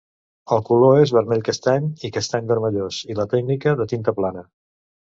El color és vermell-castany i castany-vermellós i la tècnica de tinta plana.